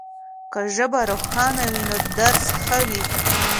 که ژبه روښانه وي نو درس ښه وي.